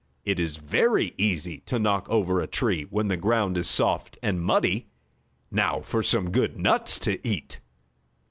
It is very easy to knock over a tree when the ground is soft and muddy. Now for some good nuts to eat."